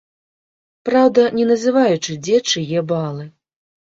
Праўда, не называючы, дзе чые балы.